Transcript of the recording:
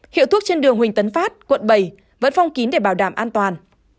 hiệu thuốc trên đường huỳnh tấn phát quận bảy vẫn phong kín để bảo đảm an toàn